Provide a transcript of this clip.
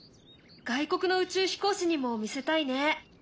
外国の宇宙飛行士にも見せたいね。